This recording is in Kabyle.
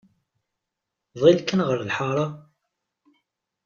Ḍill kan ɣer lḥara!